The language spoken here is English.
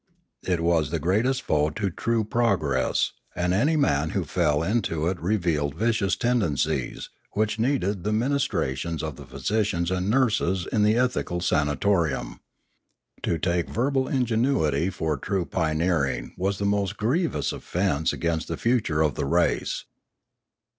It was the greatest foe to true progress, and any man who fell into it revealed vicious tendencies, which needed the minis trations of the physicians and nurses in the ethical sanatorium. To take verbal ingenuity for true pion eering was the most grievous offence against the future of the race.